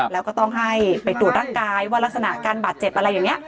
แล้วก็ต้องให้ไปตรวจร่างกายว่ารักษณะการบาดเจ็บอะไรอย่างนี้